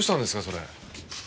それ。